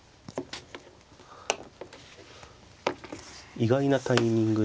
意外なタイミングで。